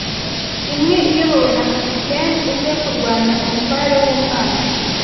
Imwe iyobowe na capitaine ubwe kurwanya umutware wumwanzi,